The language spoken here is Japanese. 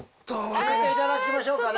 決めていただきましょうかね。